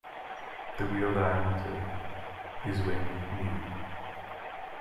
The wheel diameter is when new.